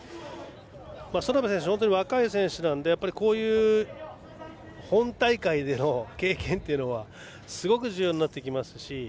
園部選手は若い選手なのでこういう本大会での経験はすごく重要になってきますし